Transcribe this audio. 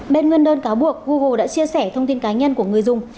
bên nguyên đơn cáo buộc google đã chia sẻ thông tin cá nhân của người dùng